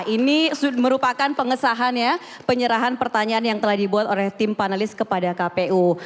ini merupakan pengesahannya penyerahan pertanyaan yang telah dibuat oleh tim panelis kepada kpu